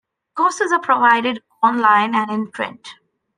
Courses are provided online and in print.